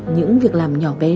những việc làm nhỏ bé đẹp